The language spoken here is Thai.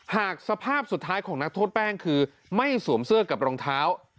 หากสภาพสุดท้ายของนักโทษแป้งคือไม่สวมเสื้อกับรองเท้า